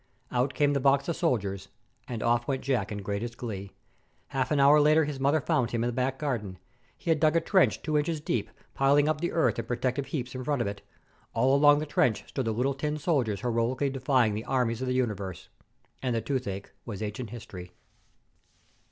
Out came the box of soldiers, and off went Jack in greatest glee. Half an hour later his mother found him in the back garden. He had dug a trench two inches deep, piling up the earth in protective heaps in front of it. All along the trench stood the little tin soldiers heroically defying the armies of the universe. And the toothache was ancient history!